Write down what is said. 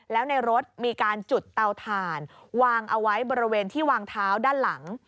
แล้วในรถมีการจุดเตาถ่านวางเอาไว้บริเวณที่วางเท้าด้านหลัง